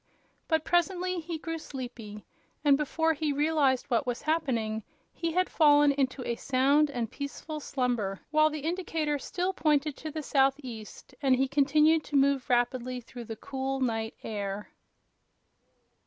But presently he grew sleepy, and before he realized what was happening he had fallen into a sound and peaceful slumber, while the indicator still pointed to the southeast and he continued to move rapidly through the cool night air.